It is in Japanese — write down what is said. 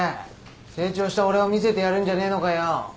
「成長した俺」を見せてやるんじゃねえのかよ？